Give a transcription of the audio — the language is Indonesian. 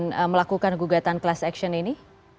dan melakukan gugatan class action ini